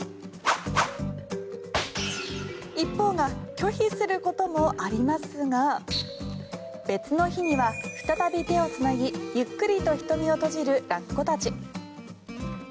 一方が拒否することもありますが別の日には、再び手をつなぎゆっくりと瞳を閉じるラッコたち。